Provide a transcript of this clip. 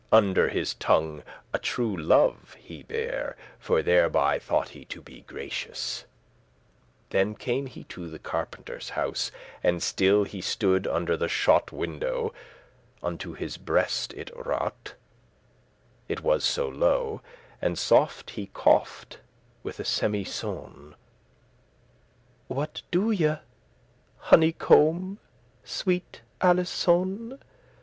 Under his tongue a true love <35> he bare, For thereby thought he to be gracious. Then came he to the carpentere's house, And still he stood under the shot window; Unto his breast it raught*, it was so low; *reached And soft he coughed with a semisoun'.* *low tone "What do ye, honeycomb, sweet Alisoun?